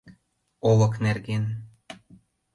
ОЛЫК НЕРГЕН